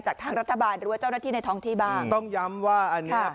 ทางรัฐบาลหรือว่าเจ้าหน้าที่ในท้องที่บ้างต้องย้ำว่าอันเนี้ย